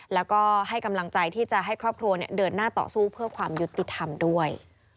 แล้วก็ให้กำลังใจที่จะให้ครอบครัวเดินหน้าต่อสู้เพื่อความยุติธรรมด้วย